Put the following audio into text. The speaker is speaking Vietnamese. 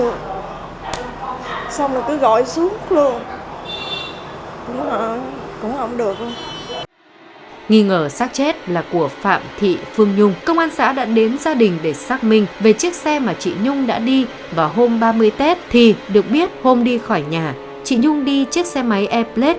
có con gái là phạm thị phương nhung đi chơi từ ngày ba mươi tết đến nay vẫn chưa về